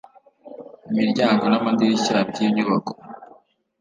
imiryango n amadirishya by inyubako